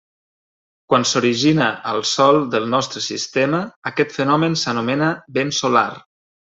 Quan s'origina al Sol del nostre sistema, aquest fenomen s'anomena vent solar.